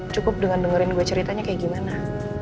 cukup dengan dengerin gue ceritanya kayak gimana